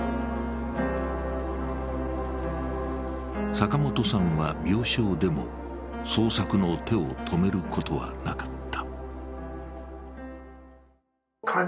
坂本さんは病床でも創作の手を止めることはなかった。